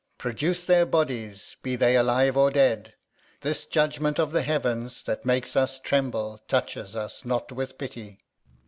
Alb. Produce their bodies, be they alive or dead. [Exit Gentleman.] This judgement of the heavens, that makes us tremble Touches us not with pity.